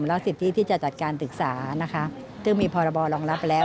แล้วสิทธิที่จะจัดการศึกษานะคะซึ่งมีพรบรองรับแล้ว